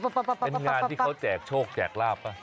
เป็นงานที่เขาแจกโชคแจกลาบป่ะ